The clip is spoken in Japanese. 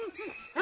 あ！